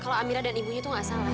kalau amira dan ibunya tuh gak salah